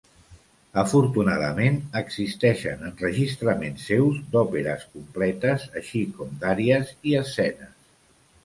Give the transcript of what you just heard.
Afortunadament, existeixen enregistraments seus d'òperes completes així com d'àries i escenes.